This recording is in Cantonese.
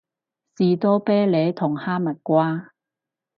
士多啤梨同哈蜜瓜